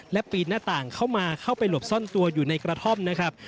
และปีนหน้าต่างเข้ามาเข้าไปหลบซ่อนตัวอยู่ในกระท่อมนะครับ